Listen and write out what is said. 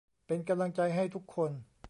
เป็นกำลังใจให้ทุกคน